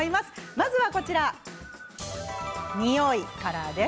まずはにおいからです。